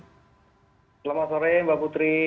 selamat sore mbak putri